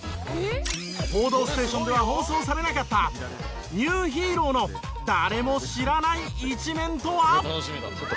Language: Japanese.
『報道ステーション』では放送されなかったニューヒーローの誰も知らない一面とは？